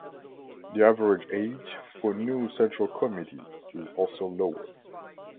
The average age for new Central Committee is also lower.